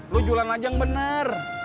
lu julan aja yang bener